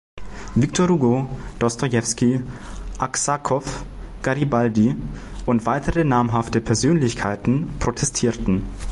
Victor Hugo, Dostojewski, Aksakow, Garibaldi und weitere namhafte Persönlichkeiten protestierten.